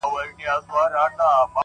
عاجز انسان ډېر محبوب وي